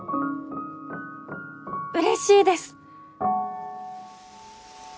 嬉しいです。